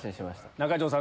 中条さん